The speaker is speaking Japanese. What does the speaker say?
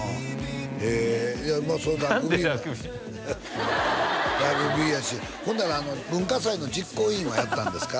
へえいやまあ何でラグビーラグビーやしほんなら文化祭の実行委員はやったんですか？